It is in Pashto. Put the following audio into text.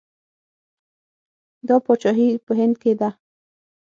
دا پاچاهي په هند کې ده.